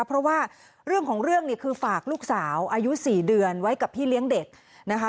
เพราะว่าเรื่องของเรื่องเนี่ยคือฝากลูกสาวอายุ๔เดือนไว้กับพี่เลี้ยงเด็กนะคะ